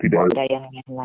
tidak ada yang lain